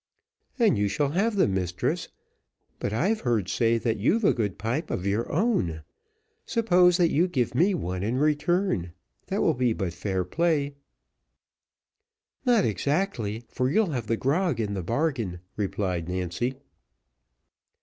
"And you shall have them, mistress; but I've heard say that you've a good pipe of your own; suppose that you give me one in return, that will be but fair play." "Not exactly, for you'll have the grog in the bargain," replied Nancy.